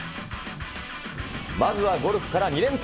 まずはゴルフから２連発。